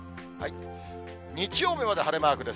日曜日まで晴れマークです。